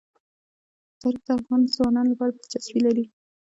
تاریخ د افغان ځوانانو لپاره دلچسپي لري.